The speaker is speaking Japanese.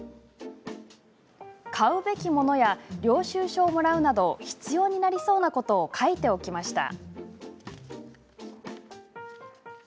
買うべきものや領収書をもらうなど必要になりそうなことを書いておきました。